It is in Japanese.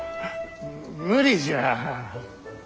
無理じゃ。